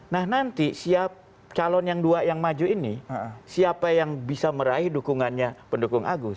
nah nanti siap calon yang dua yang maju ini siapa yang bisa meraih dukungannya pendukung agus